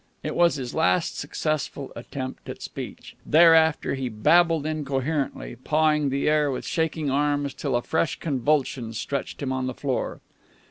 It was his last successful attempt at speech. Thereafter he babbled incoherently, pawing the air with shaking arms till a fresh convulsion stretched him on the floor.